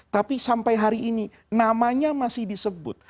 tapi sampai hari ini namanya masih disebut